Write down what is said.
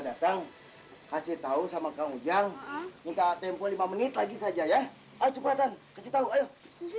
bawa itu susu sehari nggak itu susu